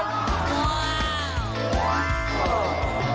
ว้าว